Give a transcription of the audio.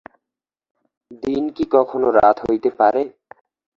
দিন কি কখনো রাত হইতে পারে।